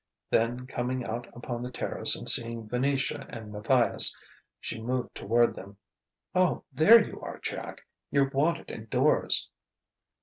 Then, coming out upon the terrace and seeing Venetia and Matthias, she moved toward them. "Oh, there you are, Jack. You're wanted indoors."